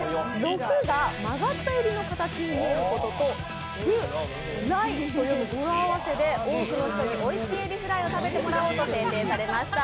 「６」が曲がったえびの形に見えることと、「フライ」と読む語呂合わせで多くの人においしいエビフライを食べてもらおうと命名されました。